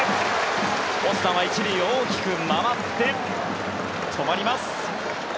オスナは１塁を大きく回って止まります。